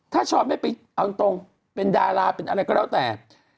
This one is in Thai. ถ้าช้อนไม่ไปเอาตรงเป็นดาราเป็นอะไรก็แล้วแต่